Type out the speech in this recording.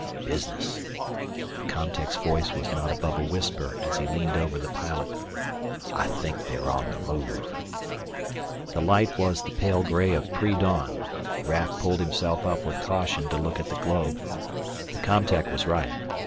"Business," the com tech's voice was not above a whisper as he leaned over the pilot. "I think they are on the move." The light was the pale gray of pre dawn. Raf pulled himself up with caution to look at the globe. The com tech was right.